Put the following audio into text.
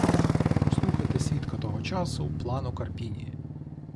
Послухайте свідка того часу Плано Карпіні: